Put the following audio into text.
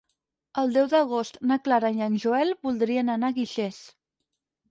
El deu d'agost na Clara i en Joel voldrien anar a Guixers.